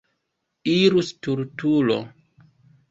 Iru, stultulo!